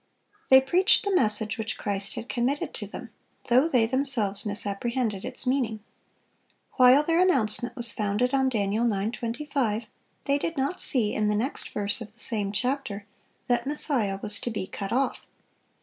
They preached the message which Christ had committed to them, though they themselves misapprehended its meaning. While their announcement was founded on Dan. 9:25, they did not see, in the next verse of the same chapter, that Messiah was to be cut off.